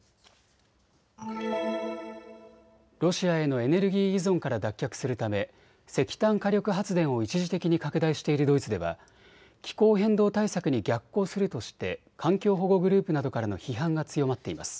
ロシアへのエネルギー依存から脱却するため石炭火力発電を一時的に拡大しているドイツでは気候変動対策に逆行するとして環境保護グループなどからの批判が強まっています。